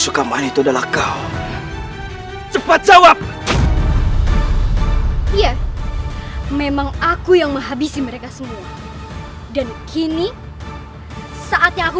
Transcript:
sukaman itu adalah kau cepat jawab ya memang aku yang menghabisi mereka semua dan kini saatnya aku